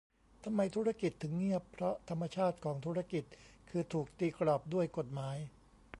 ทำไม "ธุรกิจ" ถึงเงียบ เพราะธรรมชาติของธุรกิจคือถูกตีกรอบด้วยกฎหมาย